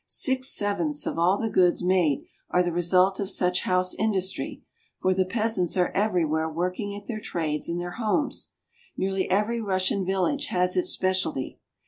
Six sevenths of all the goods made are the result of such house industry, for the peasants are everywhere working at their trades in their homes. Nearly every Russian village has its specialty.